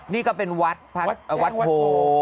นี่ก็เป็นวัดโพ